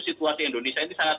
situasi indonesia ini sangat